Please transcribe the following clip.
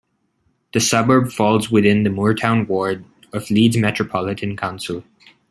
The suburb falls within the Moortown ward of Leeds Metropolitan Council.